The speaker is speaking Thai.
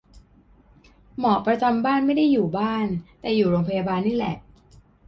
หมอประจำบ้าน ไม่ได้อยู่บ้าน แต่อยู่โรงพยาบาลนี่แหละ